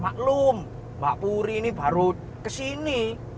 maklum mbak puri ini baru kesini